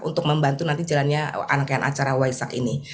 untuk membantu nanti jalannya rangkaian acara waisak ini